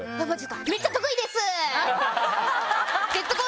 めっちゃ得意です！